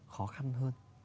khó khăn hơn